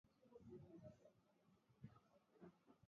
Vyombo na vifaa vinavyahitajika kupika maandazi ya viazi lishe